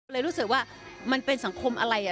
เลยรู้สึกว่ามันเป็นสังคมอะไร